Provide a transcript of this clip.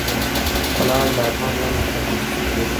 لعل د افغان ځوانانو لپاره دلچسپي لري.